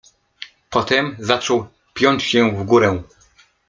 Potem zaczął piąć się w górę.